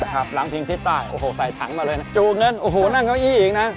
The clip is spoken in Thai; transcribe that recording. หลังพิงทิศใต้โอ้โหใส่ถังมาเลยนะจู่เงินโอ้โหนั่งเก้าอี้อีกนะ